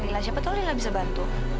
cerita dong sama lila siapa tahu lila bisa bantu